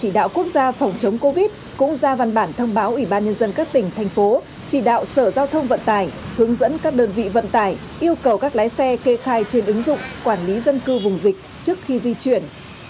chỉ đạo quốc gia phòng chống covid cũng ra văn bản thông báo ủy ban nhân dân các tỉnh thành phố chỉ đạo sở giao thông vận tải hướng dẫn các đơn vị vận tải yêu cầu các lái xe kê khai trên ứng dụng quản lý dân cư vùng dịch trước khi di chuyển